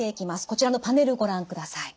こちらのパネルご覧ください。